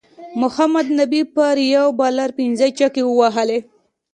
محمد نبی پر یو بالر پنځه چکی ووهلی